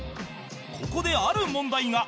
ここである問題が。